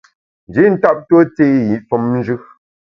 Nji tap tue té i femnjù.